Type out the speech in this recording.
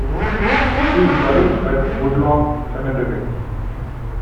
He is buried at Woodlawn Cemetery.